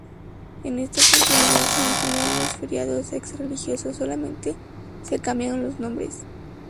En esa oportunidad, se mantuvieron los feriados ex-religiosos, solamente se le cambiaron los nombres.